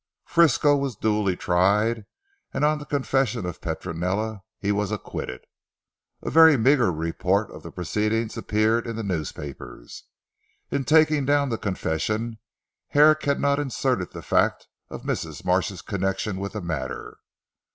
Frisco was duly tried, and on the confession of Petronella he was acquitted. A very meagre report of the proceedings appeared in the newspapers. In taking down the confession Herrick had not inserted the fact of Mrs. Marsh's connection with the matter.